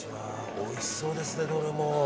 おいしそうですね、どれも。